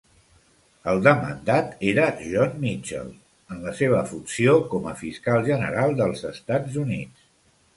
El demandat era John Mitchell en la seva funció com a fiscal general dels Estats Units.